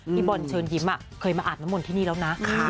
พี่บอลเชิญยิ้มเคยมาอาบน้ำมนต์ที่นี่แล้วนะ